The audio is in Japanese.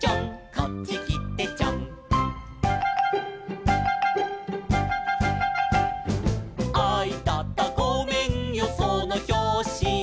「こっちきてちょん」「あいたたごめんよそのひょうし」